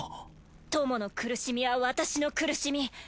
ともの苦しみは私の苦しみ。